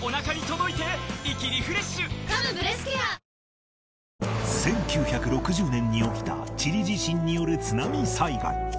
新しくなった１９６０年に起きたチリ地震による津波災害